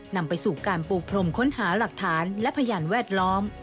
นำไปสู่การปูพรมค้นหาหลักฐานและพยานแวดล้อม